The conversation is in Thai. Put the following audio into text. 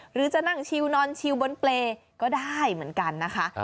หรือจะนั่งชิวนอนชิวบนเปรย์ก็ได้เหมือนกันนะคะ